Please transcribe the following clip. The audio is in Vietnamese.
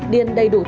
điền đầy đủ tiền